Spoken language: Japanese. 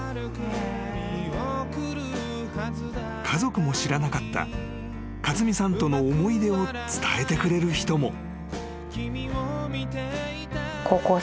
［家族も知らなかった勝美さんとの思い出を伝えてくれる人も］